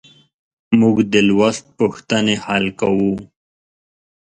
موږ د لوست پوښتنې حل کوو.